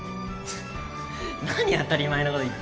何当たり前のこと言ってんだよ。